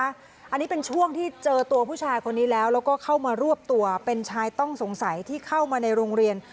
อันนี้เป็นช่วงที่เจอตัวผู้ชายคนนี้แล้วแล้วก็เข้ามารวบตัวเป็นชายต้องสงสัยที่เข้ามาในโรงเรียน